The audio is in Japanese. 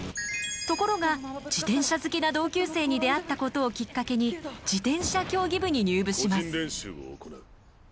ところが自転車好きな同級生に出会ったことをきっかけに自転車競技部に入部します。